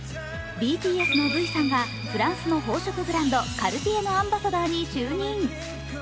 ＢＴＳのＶさんがフランスの宝飾ブランドカルティエのアンバサダーに就任。